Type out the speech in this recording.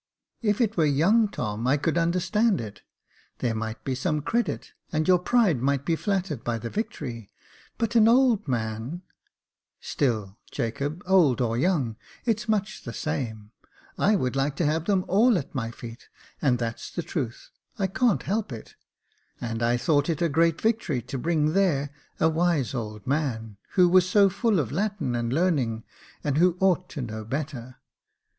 If it were young Tom, I could under stand it. There might be some credit, and your pride might be flattered by the victory j but an old man " "Still, Jacob, old or young, it's much the same. I would like to have them all at my feet, and that's the truth. I can't help it. And I thought it a great victory to bring there a wise old man, who was so full of Latin and learning, and who ought to know better.